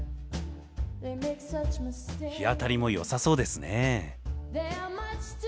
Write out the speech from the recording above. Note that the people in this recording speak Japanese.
日当たりもよさそうですね。